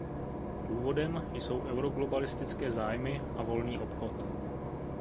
Důvodem jsou euroglobalistické zájmy a volný obchod.